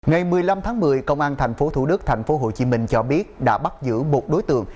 ngày một mươi năm tháng một mươi công an thành phố thủ đức thành phố hồ chí minh cho biết đã bắt giữ một đối tượng